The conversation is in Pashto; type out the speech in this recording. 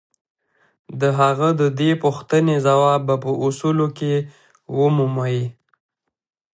د هغه د دې پوښتنې ځواب به په اصولو کې ومومئ.